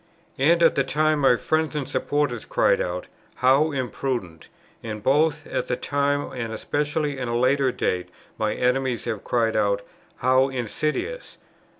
And at the time my friends and supporters cried out, "How imprudent!" and, both at the time, and especially at a later date, my enemies have cried out, "How insidious!"